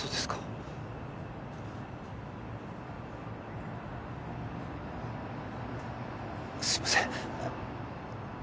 すいません。